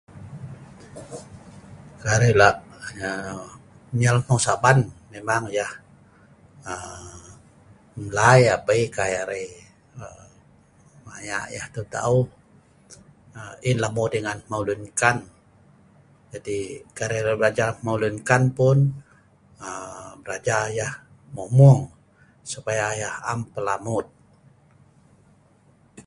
kai arai lak aa nyel hmeu Sa'ban memang yeh aa mlai abei kai arai aa mayak yeh ta'eu ta'eu aa im lamut yeh kan hmeu lunkan jadi kai arai lak belajar hmeu lun kai pun aa belajar yeh mung mung supaya yeh am pelamut